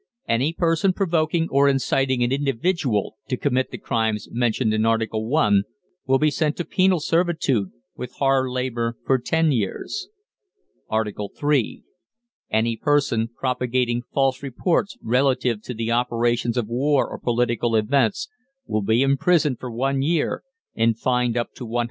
Any person provoking or inciting an individual to commit the crimes mentioned in Article I. will be sent to penal servitude with hard labour for ten years. ARTICLE III. Any person propagating false reports relative to the operations of war or political events will be imprisoned for one year, and fined up to £100.